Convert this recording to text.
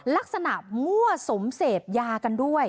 ลักษณะมั่วสุมเสพยากันด้วย